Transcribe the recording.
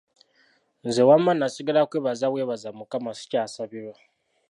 Nze wamma nasigala kwebaza bwebaza Mukama, sikyasabirwa.